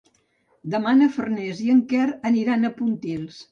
Demà na Farners i en Quer aniran a Pontils.